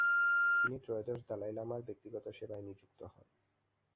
তিনি ত্রয়োদশ দলাই লামার ব্যক্তিগত সেবায় নিযুক্ত হন।